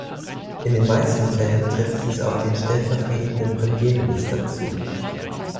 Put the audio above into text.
In den meisten Fällen trifft dies auf den stellvertretenden Premierminister zu.